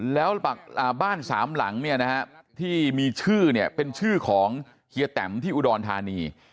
แล้วบ้านสามหลังเนี่ยนะฮะที่มีชื่อเนี่ยเป็นชื่อของเฮียแตมที่อุดรธานี